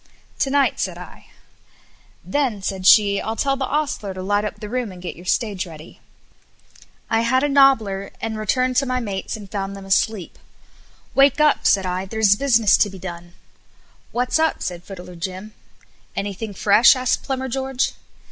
"To night," said I. "Then," said she, "I'll tell the ostler to light up the room and get your stage ready." I had a nobbler and returned to my mates and found them asleep. "Wake up," said I, "there's business to be done." "What's up?" said Fiddler Jim. "Anything fresh?" asked Plumber George.